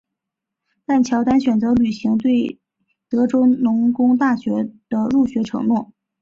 但乔丹选择履行他对德州农工大学的入学承诺。